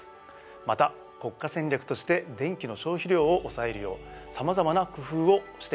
また国家戦略として電気の消費量を抑えるようさまざまな工夫をしています。